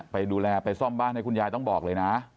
ไปดูแลไปซ่อมบ้านให้คุณยายต้องบอกเลยนะ